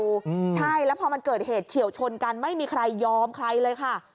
อืมใช่แล้วพอมันเกิดเหตุเฉียวชนกันไม่มีใครยอมใครเลยค่ะ